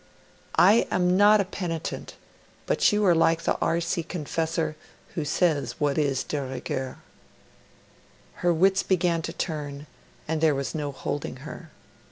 I am not a penitent; but you are like the R.C. confessor, who says what is de rigueur....' Her wits began to turn, and there was no holding her.